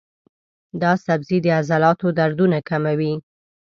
دا سبزی د عضلاتو دردونه کموي.